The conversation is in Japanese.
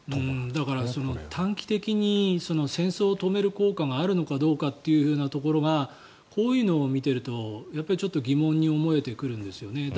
だから短期的に戦争を止める効果があるのかどうかというところがこういうのを見てるとちょっと疑問に思えてくるんですよね。